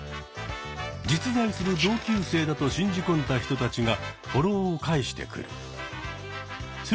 実在する同級生だと信じ込んだ人たちがフォローを返してくる。